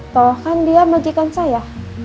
toh kan dia majikan saya